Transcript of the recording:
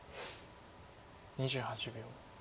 ２８秒。